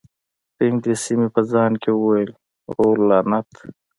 په انګلیسي مې په ځان کې وویل: اوه، لعنت!